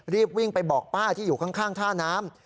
รีบวิ่งไปบอกป้าที่อยู่ข้างท่าน้ำ